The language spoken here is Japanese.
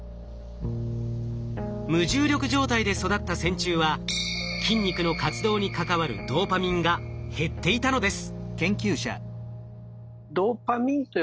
無重力状態で育った線虫は筋肉の活動に関わるドーパミンが減っていたのです。